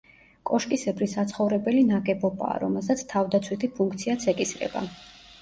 კოშკისებრი საცხოვრებელი ნაგებობაა, რომელსაც თავდაცვითი ფუნქციაც ეკისრება.